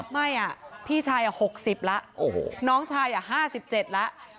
ไม่อ่ะพี่ชายอ่ะหกสิบละน้องชายอ่ะห้าสิบเจ็ดละ